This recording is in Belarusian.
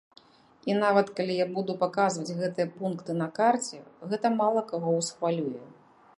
І нават калі я буду паказваць гэтыя пункты на карце, гэта мала каго ўсхвалюе.